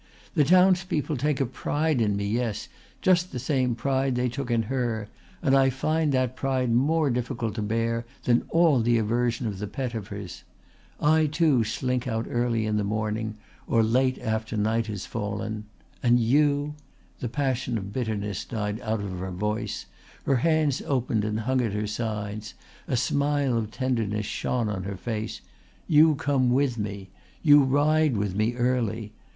The townspeople take a pride in me, yes, just the same pride they took in her, and I find that pride more difficult to bear than all the aversion of the Pettifers. I too slink out early in the morning or late after night has fallen. And you" the passion of bitterness died out of her voice, her hands opened and hung at her sides, a smile of tenderness shone on her face "you come with me. You ride with me early.